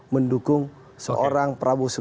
mendukung seorang prabowo